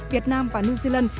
việt nam và new zealand